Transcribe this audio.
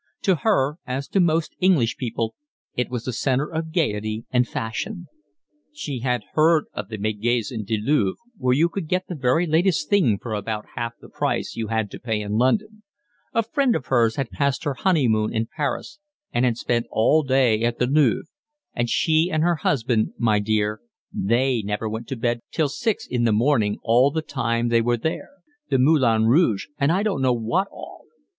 To her, as to most English people, it was the centre of gaiety and fashion: she had heard of the Magasin du Louvre, where you could get the very latest thing for about half the price you had to pay in London; a friend of hers had passed her honeymoon in Paris and had spent all day at the Louvre; and she and her husband, my dear, they never went to bed till six in the morning all the time they were there; the Moulin Rouge and I don't know what all.